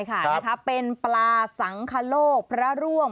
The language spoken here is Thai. ใช่ค่ะเป็นปลาสังคโลกพระร่วง